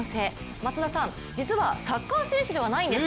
松田さん、実はサッカー選手ではないんです。